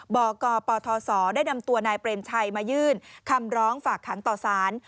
บกปทศได้นำตัวนายเปรมชัยมายื่นคำร้องฝากขังต่อสาร